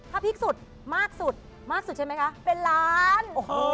ถ้าพริกสุดมากสุดมากสุดใช่ไหมคะเป็นล้าน